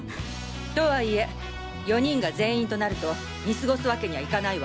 とはいえ４人が全員となると見過ごすわけにはいかないわ。